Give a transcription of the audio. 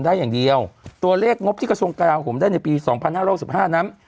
ได้อย่างเดียวตัวเลขงบที่กระทรวงกระดาษผมได้ในปี๒๕๖๕น้ำ